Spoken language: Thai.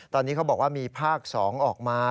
ตอนนี้เขาบอกว่ามีภาค๒ออกมา